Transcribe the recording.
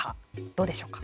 どうでしょうか。